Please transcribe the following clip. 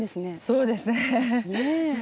そうですね。